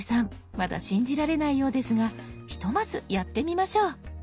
まだ信じられないようですがひとまずやってみましょう。